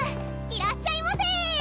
いらっしゃいませ！